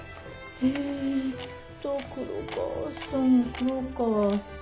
えっと黒川さん黒川さん。